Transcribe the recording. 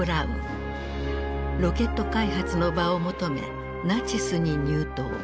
ロケット開発の場を求めナチスに入党。